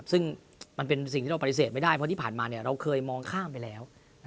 ซึ่งมันเป็นสิ่งที่เราปฏิเสธไม่ได้เพราะที่ผ่านมาเราเคยมองข้ามไปแล้ว